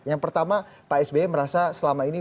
yang pertama pak sby merasa selama ini